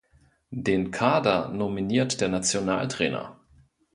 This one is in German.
Den Kader nominiert der Nationaltrainer.